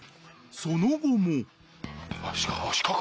［その後も］